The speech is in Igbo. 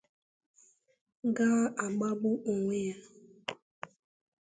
ga agbagbu onwe ya